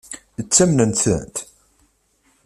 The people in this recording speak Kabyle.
Ttamnent-tent?